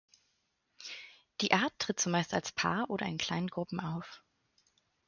Die Art tritt zumeist als Paar oder in kleinen Gruppen auf.